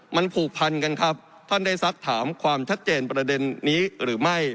มันผูกพันกันครับท่านได้สักถามความชัดเจนประเด็นนี้หรือไม่